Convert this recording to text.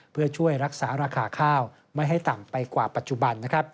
เพื่อช่วยรักษาราคาข้าวไม่ให้ต่ำไปกว่าปัจจุบัน